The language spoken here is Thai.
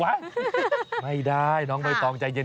วะไม่ได้น้องไปต้องใจเย็น